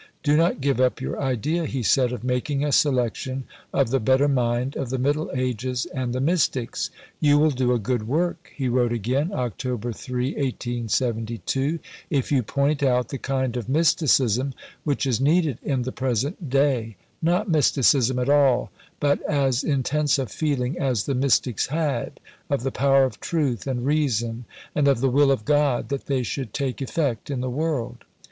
"Do not give up your idea," he said, "of making a selection of the better mind of the Middle Ages and the Mystics." "You will do a good work," he wrote again (Oct. 3, 1872), "if you point out the kind of mysticism which is needed in the present day not mysticism at all, but as intense a feeling, as the mystics had, of the power of truth and reason and of the will of God that they should take effect in the world.